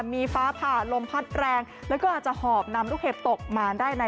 มีฟ้าผ่าลมพัดแรงแล้วก็อาจจะหอบนำลูกเห็บตกมาได้ใน